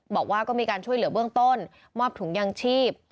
บอกว่าก็มีการช่วยเหลือเบื้องต้นมอบถุงยางชีพ